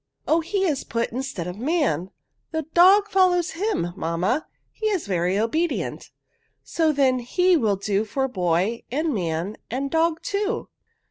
" Oh, he is put instead of man. The dog foDows him, mamma ; he is very obedient. So, then, he will do for boy and man, and dog too."